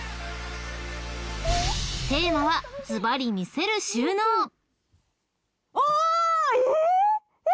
［テーマはずばり魅せる収納］おえ！？